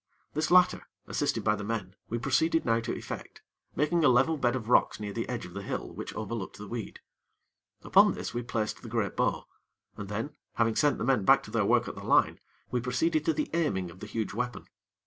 This latter, assisted by the men, we proceeded now to effect, making a level bed of rocks near the edge of the hill which overlooked the weed. Upon this we placed the great bow, and then, having sent the men back to their work at the line, we proceeded to the aiming of the huge weapon.